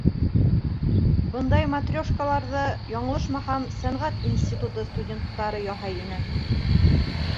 Бындай матрешкаларҙы, яңылышмаһам, сәнғәт институты студенттары яһай ине.